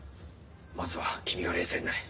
まずは君が冷静になれ！